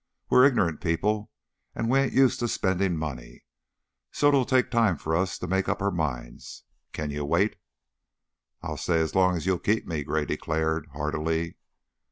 We're ignorant people and we ain't used to spendin' money, so it'll take time for us to make up our minds. Kin you wait?" "I'll stay as long as you'll keep me," Gray declared, heartily.